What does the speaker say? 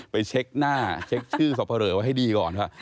ไปเช็คหน้าเช็คชื่อสปะเหลอให้ดีก่อน